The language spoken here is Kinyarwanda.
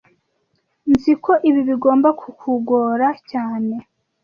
Nzi ko ibi bigomba kukugora cyane